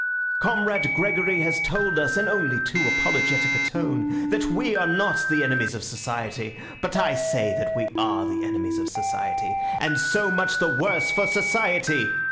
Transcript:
"Comrade Gregory has told us, in only too apologetic a tone, that we are not the enemies of society. But I say that we are the enemies of society, and so much the worse for society.